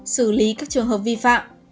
xử lý các trường hợp vi phạm